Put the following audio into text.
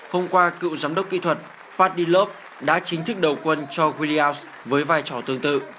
hôm qua cựu giám đốc kỹ thuật fadi loeb đã chính thức đầu quân cho williams với vai trò tương tự